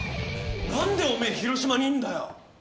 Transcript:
何でおめえ広島にいんだよ！